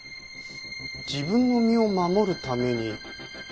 自分の身を守るために刀を？